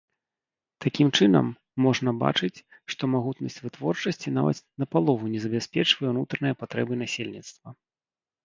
Такім чынам, можна бачыць, што магутнасць вытворчасці нават напалову не забяспечвае ўнутраныя патрэбы насельніцтва.